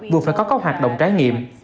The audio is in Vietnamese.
vừa phải có các hoạt động trải nghiệm